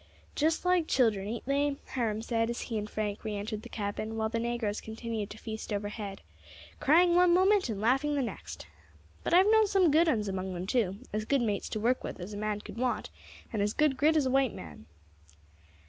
"Just like children, ain't they?" Hiram said, as he and Frank re entered the cabin, while the negroes continued to feast overhead, "crying one moment and laughing the next. But I have known some good uns among them too, as good mates to work with as a man could want, and as good grit as a white man."